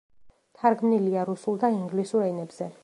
თარგმნილია რუსულ და ინგლისურ ენებზე.